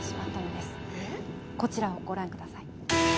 こちらをご覧ください。